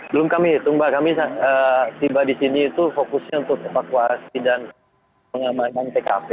belum kami hitung mbak kami tiba di sini itu fokusnya untuk evakuasi dan pengamanan tkp